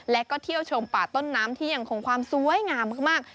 และก็เที่ยวชมป่าต้นน้ำที่ยังคงความสวยงามมาก